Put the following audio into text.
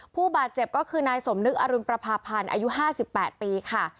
ผู้บาดเจ็บก็คือนายสมนึกอรุณประพาพันธ์อายุ๕๘ปีค่ะ